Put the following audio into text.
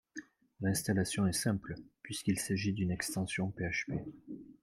L'installation est simple puisqu'il s'agisse d'une extension PHP